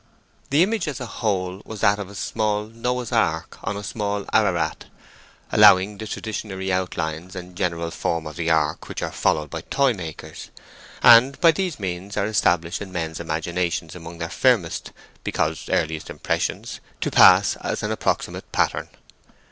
The image as a whole was that of a small Noah's Ark on a small Ararat, allowing the traditionary outlines and general form of the Ark which are followed by toy makers—and by these means are established in men's imaginations among their firmest, because earliest impressions—to pass as an approximate pattern.